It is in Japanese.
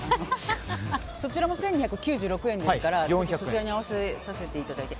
そちらも１２９６円ですからそちらに合わせさせていただいて。